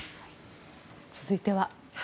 続いては。